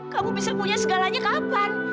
kamu bisa punya segalanya kapan